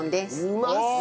うまそう！